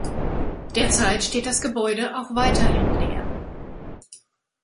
Derzeit steht das Gebäude auch weiterhin leer.